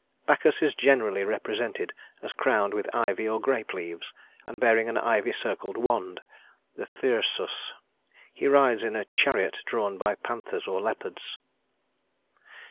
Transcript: Bacchus is generally represented as crowned with ivy or grape leaves and bearing an ivy circled wand (the thyrsus). He rides in a chariot drawn by panthers or leopards.